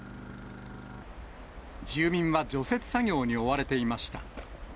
住民は除雪作業に追われていました。